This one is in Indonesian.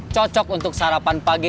cocok untuk sarapan pagi